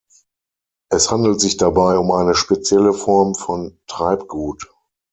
Es handelt sich dabei um eine spezielle Form von Treibgut.